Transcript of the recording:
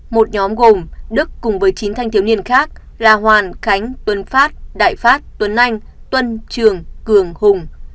một nhóm gồm đức cùng với chín thanh thiếu niên khác là hoàn khánh tuấn phát đại phát tuấn anh tuân trường cường hùng